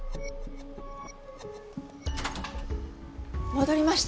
戻りました。